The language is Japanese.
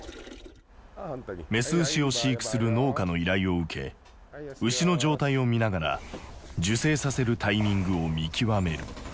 雌牛を飼育する農家の依頼を受け牛の状態を見ながら受精させるタイミングを見極める。